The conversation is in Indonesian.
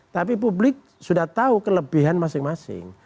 tapi publik sudah tahu kelebihan masing masing